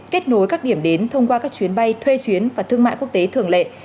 kết nối các điểm đến thông qua các chuyến bay thuê chuyến và thương mại quốc tế thường lệ